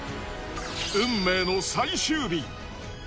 運命の最終日。